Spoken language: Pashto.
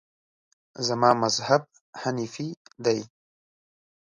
زما مذهب حنیفي دی.